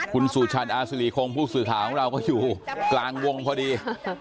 คุณสุชาญอาศิริคงผู้สื่อข่าวของเราก็อยู่กลางวงพอดี